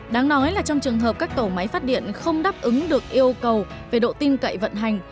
đáng nói là trong trường hợp các tổ máy phát điện không đáp ứng được yêu cầu về độ tin cậy vận hành